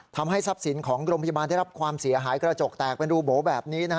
ทำให้ทรัพย์สินของโรงพยาบาลได้รับความเสียหายกระจกแตกเป็นรูโบแบบนี้